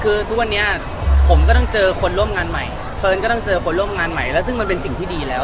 คือทุกวันนี้ผมก็ต้องเจอคนร่วมงานใหม่เกิดต้องเจอคนร่วมงานใหม่มันเป็นสิ่งสิ่งดีแล้ว